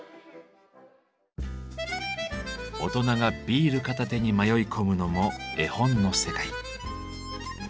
大人がビール片手に迷い込むのも絵本の世界。